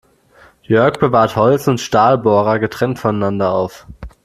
Jörg bewahrt Holz- und Stahlbohrer getrennt voneinander auf.